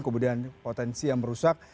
kemudian potensi yang merusak